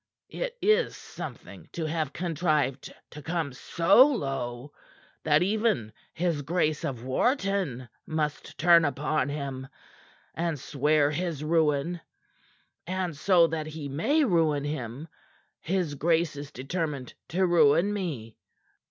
It is something to have contrived to come so low that even his Grace of Wharton must turn upon him, and swear his ruin. And so that he may ruin him, his grace is determined to ruin me.